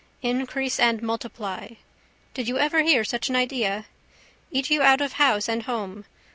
Increase and multiply. Did you ever hear such an idea? Eat you out of house and home.